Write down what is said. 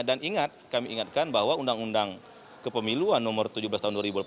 dan ingat kami ingatkan bahwa undang undang kepemiluan nomor tujuh belas tahun dua ribu delapan belas